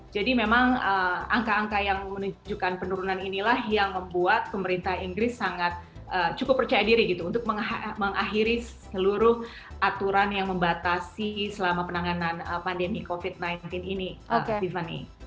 jadi memang angka angka yang menunjukkan penurunan inilah yang membuat pemerintah inggris cukup percaya diri untuk mengakhiri seluruh aturan yang membatasi selama penanganan pandemi covid sembilan belas ini tiffany